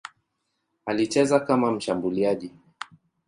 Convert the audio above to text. Alicheza kama mshambuliaji.